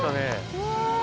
うわ！